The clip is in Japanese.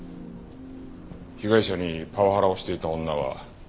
被害者にパワハラをしていた女は誰なんだ？